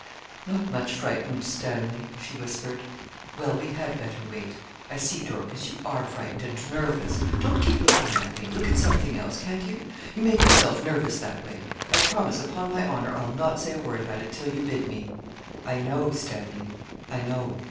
'Not much frightened, Stanley,' she whispered. 'Well, we had better wait. I see, Dorcas, you are frightened and nervous. Don't keep looking at me; look at something else, can't you? You make yourself nervous that way. I promise, upon my honour, I'll not say a word about it till you bid me.' 'I know, Stanley I know.'